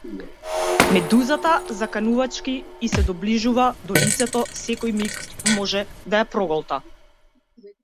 Медузата заканувачки ѝ се доближува до лицето, секој миг може да ја проголта.